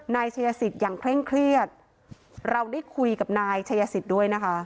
นายชัยสิทธิ์อย่างเคร่งเครียดเราได้คุยกับนายชายสิทธิ์ด้วยนะคะ